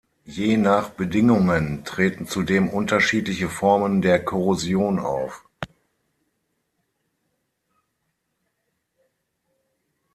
Je nach Bedingungen treten zudem unterschiedliche Formen der Korrosion auf.